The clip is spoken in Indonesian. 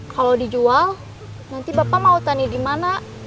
kalau dijual nanti bapak mau tani di mana